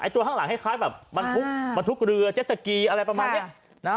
ตัวข้างหลังคล้ายแบบบรรทุกบรรทุกเรือเจ็ดสกีอะไรประมาณนี้นะฮะ